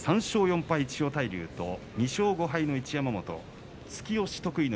３勝４敗、千代大龍と２勝５敗の一山本。